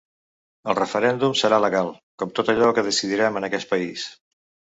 El referèndum serà legal, com tot allò que decidirem en aquest país.